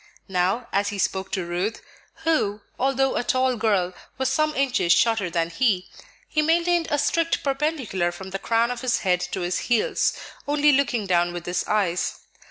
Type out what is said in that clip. Now, as he spoke to Ruth, who, although a tall girl, was some inches shorter than he, he maintained a strict perpendicular from the crown of his head to his heels, only looking down with his eyes.